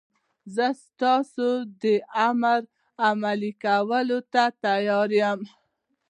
زه ستاسو د امر عملي کولو ته تیار یم.